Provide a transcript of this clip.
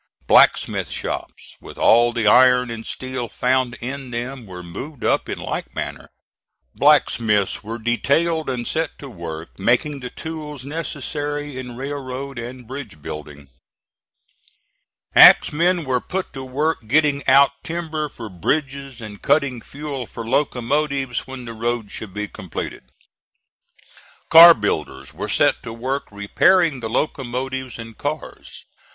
Blacksmith shops, with all the iron and steel found in them, were moved up in like manner. Blacksmiths were detailed and set to work making the tools necessary in railroad and bridge building. Axemen were put to work getting out timber for bridges and cutting fuel for locomotives when the road should be completed. Car builders were set to work repairing the locomotives and cars.